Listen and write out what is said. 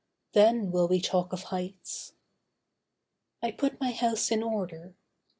Then will we talk of heights.' I put my house in order.